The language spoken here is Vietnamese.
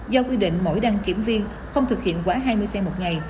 do quy định mỗi đăng kiểm viên không thực hiện quá hai mươi xe một ngày